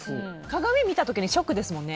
鏡見たときにショックですもんね。